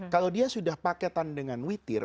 kalau dia sudah paketan dengan witir